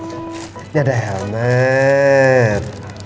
ini ada helmet